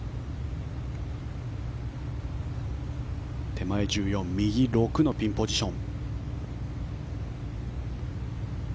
手前１４、右６のピンポジション。